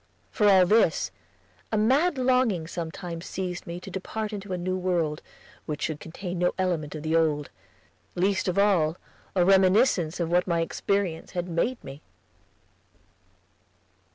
For all this a mad longing sometimes seized me to depart into a new world, which should contain no element of the old, least of all a reminiscence of what my experience had made me.